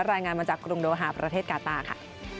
รายงานมาจากกรุงโดฮาประเทศกาต้าค่ะ